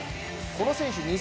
この選手